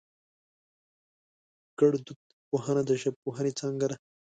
گړدود پوهنه د ژبپوهنې څانگه ده